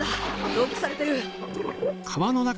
ロックされてる。